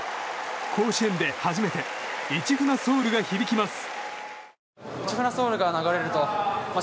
甲子園で初めて「市船ｓｏｕｌ」が響きます。